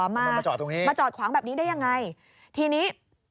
มามาจอดตรงนี้มาจอดขวางแบบนี้ได้ยังไงทีนี้